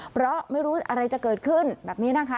เพราะไม่รู้อะไรจะเกิดขึ้นแบบนี้นะคะ